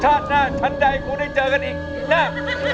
ชาติหน้าชั้นใดที่ผมไม่ได้เจอกันอีกหน้า